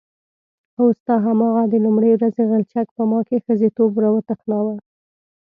هو ستا هماغه د لومړۍ ورځې غلچک په ما کې ښځتوب راوتخناوه.